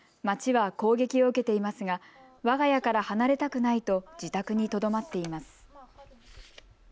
街は攻撃を受けていますがわが家から離れたくないと自宅にとどまっています。